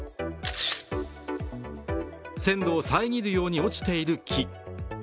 線路を遮るように落ちている木。